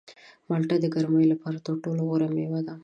مالټه د ګرمۍ لپاره تر ټولو غوره مېوه ده.